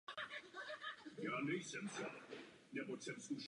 Absolvovala národní školu.